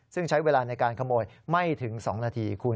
ซึ่งใช้เวลาในการขโมยไม่ถึง๒นาทีคุณ